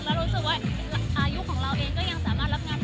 แล้วรู้สึกว่าอายุของเราเองก็ยังสามารถรับงานได้